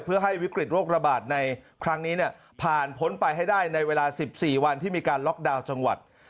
เพื่อให้วิกฤตโรคระบาดในครั้งนี้ผ่านพ้นไปให้ได้ในเวลา๑๔วันที่มีการล็อกดาวน์จังหวัด